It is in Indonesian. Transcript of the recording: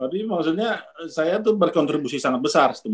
tapi maksudnya saya itu berkontribusi sangat besar